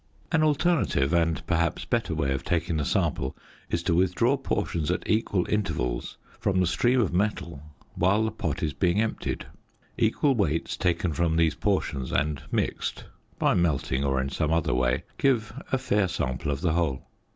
An alternative and, perhaps, better way of taking the sample is to withdraw portions at equal intervals from the stream of metal whilst the pot is being emptied; equal weights taken from these portions and mixed (by melting or in some other way) give a fair sample of the whole.